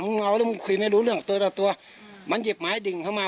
เงาแล้วมึงคุยไม่รู้เรื่องตัวต่อตัวมันหยิบไม้ดิ่งเข้ามา